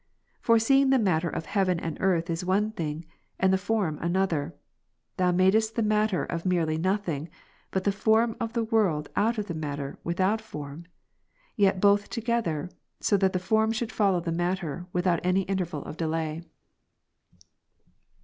For seeing the matter of heaven and earth is one thing, and the form another, Thou madest the matter of merely nothing, bvit the form of the world out of the matter without form : yet both together, so that the form should follow the matter, without any interval of delay.